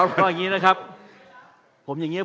พอแบบนี้นะครับ